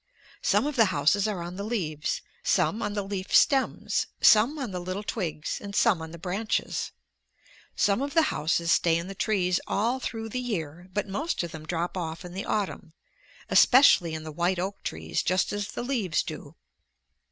Some of the houses are on the leaves, some on the leaf stems, some on the little twigs, and some on the branches. Some of the houses stay in the trees all through the year, but most of them drop off in the autumn, especially in the white oak trees, just as the leaves do.